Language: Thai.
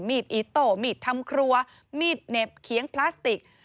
อีโต้มีดทำครัวมีดเหน็บเคียงพลาสติก